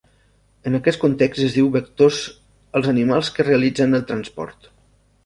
En aquest context es diu vectors als animals que realitzen el transport.